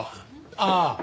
ああ。